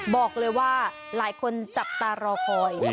บอกเลยว่าหลายคนจับตารอคอย